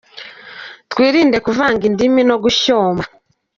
Twirinde kuvanga indimi no gushyoma.